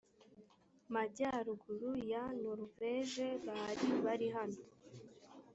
majyaruguru ya noruveje bari bari hano